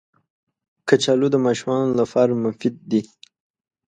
کچالو د ماشومانو لپاره مفید دي